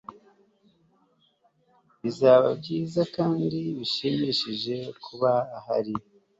Bizaba byiza kandi bishimishije kuba ahari